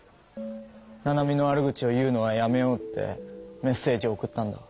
「ナナミの悪口を言うのはやめよう」ってメッセージを送ったんだ。